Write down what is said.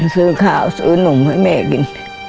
ซื้อข้าวซื้อนมให้แม่กิน